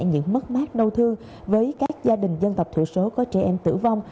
những mất mát đau thương với các gia đình dân tộc thiểu số có trẻ em tử vong